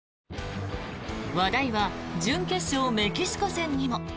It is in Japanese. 話題は準決勝、メキシコ戦にも。